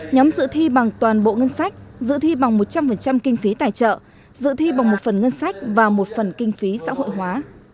nhóm dự thi bằng toàn bộ ngân sách dự thi bằng một trăm linh kinh phí tài trợ dự thi bằng một phần ngân sách và một phần kinh phí xã hội hóa